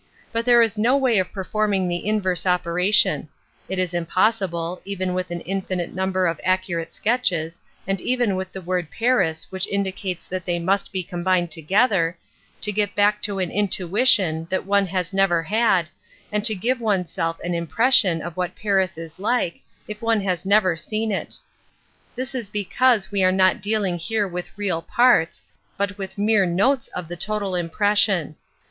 But there is no way of performing the inverse operation; it is impossible, even with an infinite number of accurate sketches, and even with the word "Paris" which indi cates that they must be combined together, to get back to an intuition that one has never bad, and to give oneself an impi ession of what Paris is like if one has never seen it. This is because we are not dealing here with real parts, but with mere notes of the total impression.